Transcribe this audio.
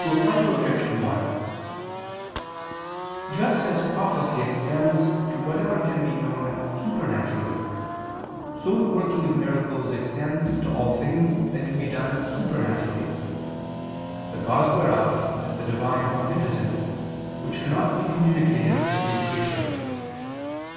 Reply Obj. 1: Just as prophecy extends to whatever can be known supernaturally, so the working of miracles extends to all things that can be done supernaturally; the cause whereof is the divine omnipotence which cannot be communicated to any creature.